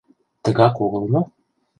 Тыгак огыл мо?